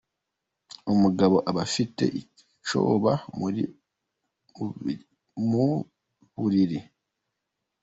Umugabo aba afite icyoba mu buriri .